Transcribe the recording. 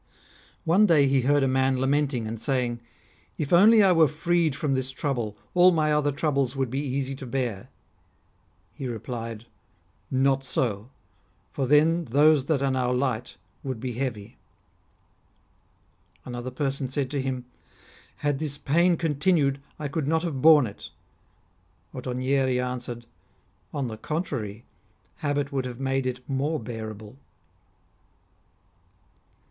One day he heard a man lamenting and saying, " If only I were freed from this trouble, all my other troubles would be easy to bear." He replied :" Not so ; for then those that are now light would be heavy." Another person said to him :" Had this pain con tinued, I could not have borne it." Ottonieri answered :" On the contrary, habit would have made it more bearable."